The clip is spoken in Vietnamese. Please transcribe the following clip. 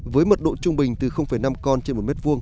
với mật độ trung bình từ năm con trên một m hai